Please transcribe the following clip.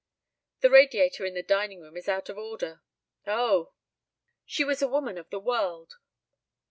"The radiator in the dining room is out of order." "Oh!" She was a woman of the world.